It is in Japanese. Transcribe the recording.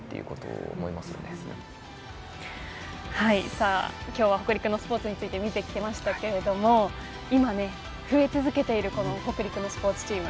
さあ今日は北陸のスポーツについて見てきましたけれども今ね増え続けているこの北陸のスポーツチーム。